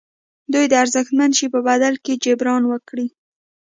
دوی د ارزښتمن شي په بدل کې جبران وکړي.